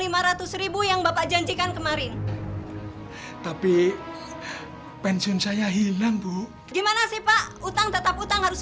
rp lima ratus yang bapak janjikan kemarin tapi pensiun saya hilang bu gimana sih pak utang tetap utang harus